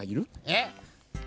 えっ？